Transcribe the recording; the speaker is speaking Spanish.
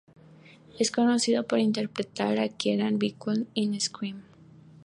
Es conocido por interpretar a Kieran Wilcox en "Scream".